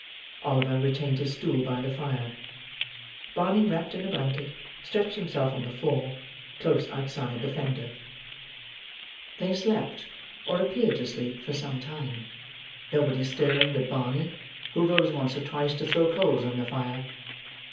Oliver retained his stool by the fire; Barney wrapped in a blanket, stretched himself on the floor: close outside the fender. They slept, or appeared to sleep, for some time; nobody stirring but Barney, who rose once or twice to throw coals on the fire.